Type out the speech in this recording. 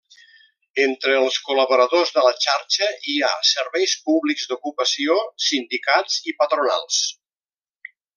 Entre els col·laboradors de la xarxa hi ha serveis públics d'ocupació, sindicats i patronals.